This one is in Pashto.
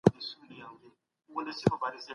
سپین سرې لښتې ته د خپلې کلا د بې ننګه کېدو پېغور ورکړ.